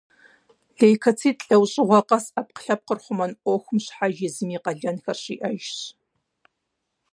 Лейкоцит лӏэужьыгъуэ къэс ӏэпкълъэпкъыр хъумэн ӏуэхум щхьэж езым и къалэнхэр щиӏэжщ.